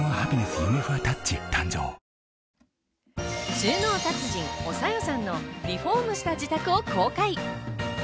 収納達人・おさよさんのリフォームした自宅を公開。